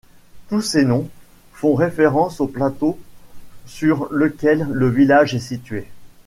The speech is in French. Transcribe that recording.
Tous ces noms font référence au plateau sur lequel le village est situé.